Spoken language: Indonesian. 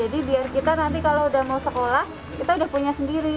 jadi biar kita nanti kalau udah mau sekolah kita udah punya sendiri